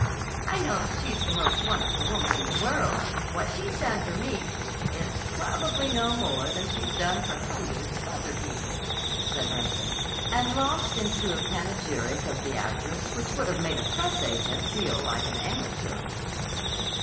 "I know that she's the most wonderful woman in the world. What she's done for me—" "It's probably no more than she's done for hundreds of other people," said Remsen, and launched out into a panegyric of the actress which would have made a press agent feel like an amateur.